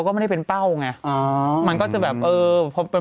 ทำยังไงคะคุณ